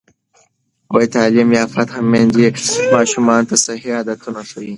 تعلیم یافته میندې ماشومانو ته صحي عادتونه ښيي.